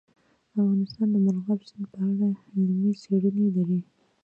افغانستان د مورغاب سیند په اړه علمي څېړنې لري.